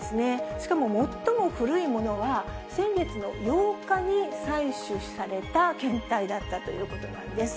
しかも、最も古いものは、先月の８日に採取された検体だったということなんです。